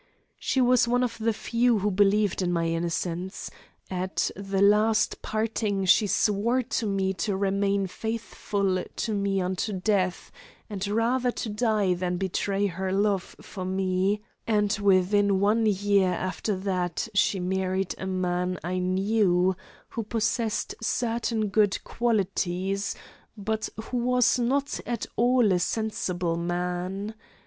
She was one of the few who believed in my innocence; at the last parting she swore to me to remain faithful to me unto death, and rather to die than betray her love for me and within one year after that she married a man I knew, who possessed certain good qualities, but who was not at all a sensible man.